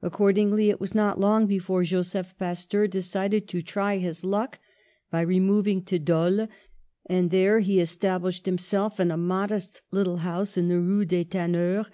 Accordingly it was not long before Joseph Pasteur decided to try his luck by removing to Dole, and there he established himself in a modest little house in the Rue des Tanneurs.